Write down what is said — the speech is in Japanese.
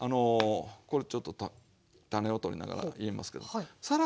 これちょっと種を取りながら言いますけどさら